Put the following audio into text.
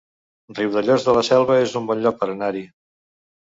Riudellots de la Selva es un bon lloc per anar-hi